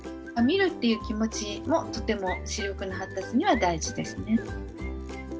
「見る」っていう気持ちもとても視力の発達には大事ですね。